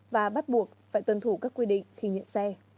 và bắt buộc phải tuân thủ các quy định khi nhận xe